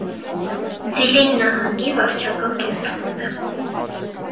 Ձիլին նահանգի վարչական կենտրոնն է։